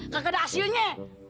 gak ada hasilnya